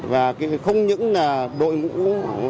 và không những là đội ngũ